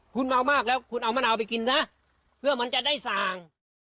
คุณเมามากแล้วคุณเอามะนาวไปกินซะเพื่อมันจะได้สั่ง